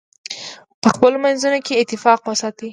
په خپلو منځونو کې اتفاق وساتئ.